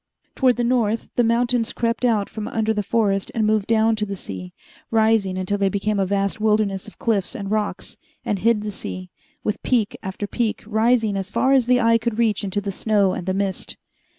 Toward the north, the mountains crept out from under the forest and moved down to the sea, rising until they became a vast wilderness of cliffs and rocks, and hid the sea, with peak after peak rising as far as the eye could reach into the snow and the mist.